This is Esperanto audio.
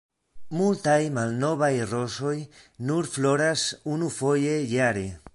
Multaj „malnovaj rozoj“ nur floras unufoje jare.